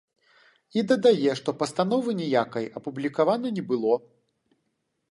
І дадае, што пастановы ніякай апублікавана не было.